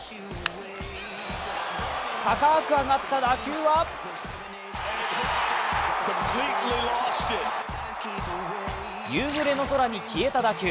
高く上がった打球は夕暮れの空に消えた打球。